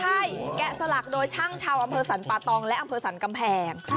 ใช่แกะสลักโดยช่างชาวอำเภอสรรปะตองและอำเภอสรรกำแพง